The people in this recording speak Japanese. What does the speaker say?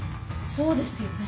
そうですよね？